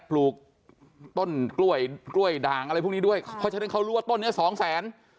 ปลูกต้นกล้วยกล้วยด่างอะไรพวกนี้ด้วยเพราะฉะนั้นเขารู้ว่าต้นนี้สองแสน